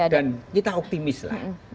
dan kita optimis lah